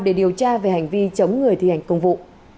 để điều tra về hành vi chống người thi hành công vụ